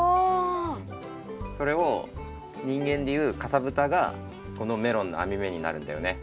それをにんげんでいうかさぶたがこのメロンのあみ目になるんだよね。